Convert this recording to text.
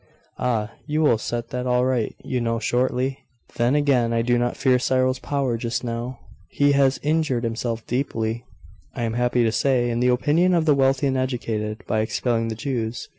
'Ah, you will set that all right, you know, shortly. Then again, I do not fear Cyril's power just now. He has injured himself deeply, I am happy to say, in the opinion of the wealthy and educated, by expelling the Jews.